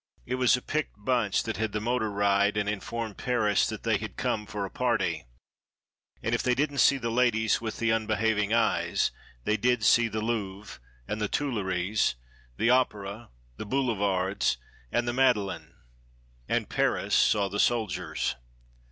It was a picked bunch that had the motor ride and informed Paris that they had come for a party. And if they didn't see the ladies with the unbehaving eyes, they did see the Louvre and the Tuileries, the Opéra, the boulevards, and the Madeleine. And Paris saw the soldiers.